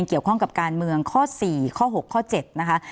เกี่ยวข้องกับการเมืองข้อ๔ข้อ๖ข้อ๗นะคะ